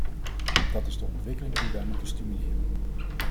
Dat is de ontwikkeling die wij moeten stimuleren.